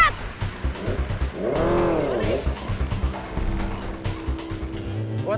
tidak ada yang bisa dipercaya